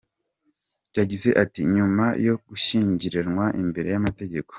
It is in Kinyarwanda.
Yagize ati” Nyuma yo gushyingiranwa imbere y’amategeko, ….